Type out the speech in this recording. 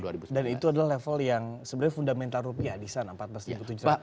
dan itu adalah level yang sebenarnya fundamental rupiah di sana empat belas tujuh ratus gitu ya